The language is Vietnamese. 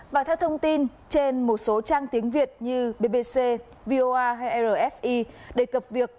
và theo thông tin trên một số trang tiếng việt như bbc voa hay rfi đề cập việc